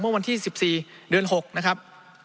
เมื่อวันที่๑๔เดือน๖นะครับ